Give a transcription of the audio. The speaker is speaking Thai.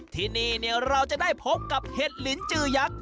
ทีนี้เนี่ยเราจะได้พบกับเฮดลินจืยักษ์